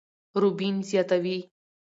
روبين زياتوي،